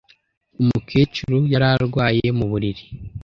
Umukecuru yari arwaye mu buriri.